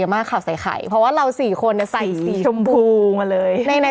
เยอะมากค่ะใส่ไข่เพราะว่าเราสี่คนเนี่ยใส่สีชมพูมาเลยในใด